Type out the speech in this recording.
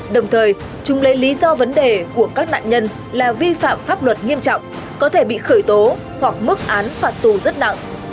đồng thời chúng lấy lý do vấn đề của các nạn nhân là vi phạm pháp luật nghiêm trọng có thể bị khởi tố hoặc mức án phạt tù rất nặng